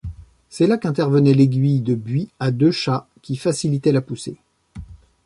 C'est là qu'intervenait l'aiguille de buis à deux chas qui facilitait la poussée.